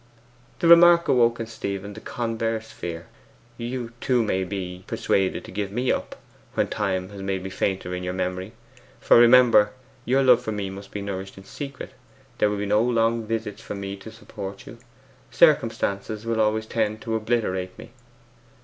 The remark awoke in Stephen the converse fear. 'You, too, may be persuaded to give me up, when time has made me fainter in your memory. For, remember, your love for me must be nourished in secret; there will be no long visits from me to support you. Circumstances will always tend to obliterate me.